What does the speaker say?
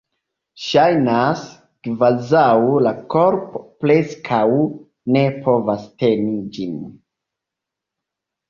Ŝajnas, kvazaŭ la korpo preskaŭ ne povas teni ĝin.